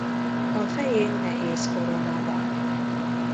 A fején nehéz korona van.